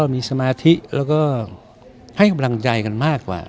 มีสมาธิแล้วก็ให้กำลังใจกันมากกว่า